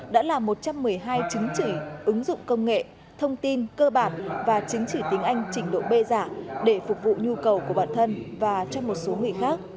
đã làm một trăm một mươi hai chứng chỉ ứng dụng công nghệ thông tin cơ bản và chứng chỉ tiếng anh trình độ b giả để phục vụ nhu cầu của bản thân và cho một số người khác